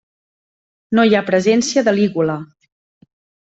No hi ha presència de lígula.